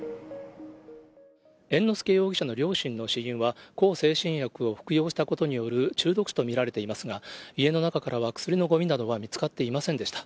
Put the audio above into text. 猿之助容疑者の両親の死因は、向精神薬を服用したことによる中毒死と見られていますが、家の中からは薬のごみなどは見つかっていませんでした。